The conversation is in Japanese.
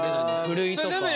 ふるいとか。